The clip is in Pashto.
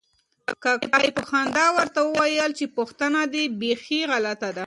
کاکا یې په خندا ورته وویل چې پوښتنه دې بیخي غلطه ده.